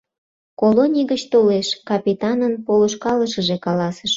— Колоний гыч толеш, — капитанын полышкалышыже каласыш.